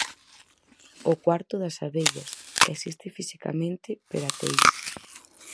'O cuarto das abellas' existe fisicamente pero até aí.